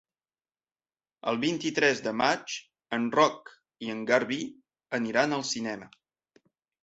El vint-i-tres de maig en Roc i en Garbí aniran al cinema.